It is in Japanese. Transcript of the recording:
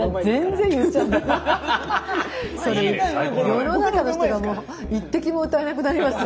世の中の人がもう一滴も歌えなくなりますよ。